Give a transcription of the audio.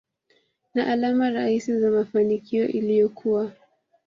na alama rahisi za mafanikio iliyokuwa